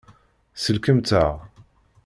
Sellkemt-aɣ.